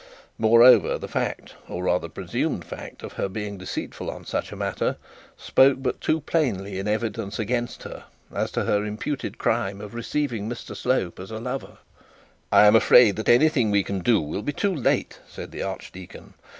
Moreover, the fact, or rather the presumed fact, of her being deceitful on such a matter, spoke but too plainly in evidence against her as to her imputed crime of receiving Mr Slope as a lover. 'I am afraid that anything we can do will be too late,' said the archdeacon.